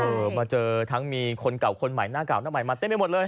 มาเจอทั้งมีคนเก่าคนใหม่หน้าเก่าหน้าใหม่มาเต็มไปหมดเลย